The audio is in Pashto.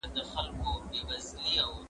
چپنه پاکه کړه؟!